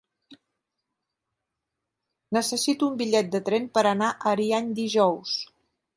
Necessito un bitllet de tren per anar a Ariany dijous.